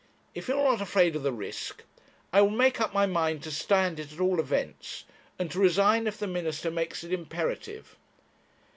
If you are not afraid of the risk, I will make up my mind to stand it at all events, and to resign if the Minister makes it imperative.